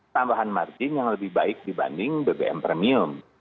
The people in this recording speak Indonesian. tambahan margin yang lebih baik dibanding bbm premium